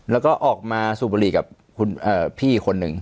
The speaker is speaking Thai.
แล้วก็ออกมาสูบบุหรี่กับคุณพี่คนหนึ่ง